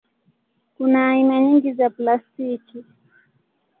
Kuna aina nyingi za plastiki.